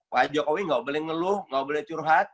pak jokowi nggak boleh ngeluh nggak boleh curhat